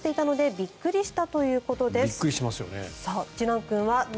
びっくりしますよね。